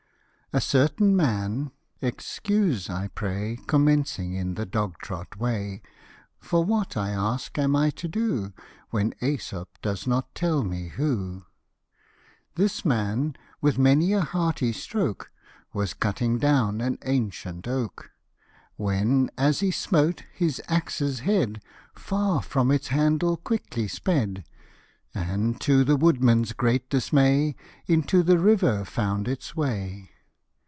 A CERTAIN man excuse, I pray, Commencing in the dog trot way ; For what, I ask, am I to do When jEsop does not tell me who? This man, with many a hearty stroke, Was cutting down an ancient oak ; When, as he smote, his axe's head Far from its handle quickly sped, And, to the woodman's great dismay, Into the river found its way.